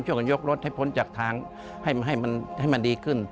กันยกรถให้พ้นจากทางให้มันดีขึ้น